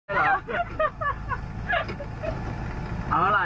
เอาอะไร